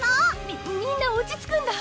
みみんな落ち着くんだ！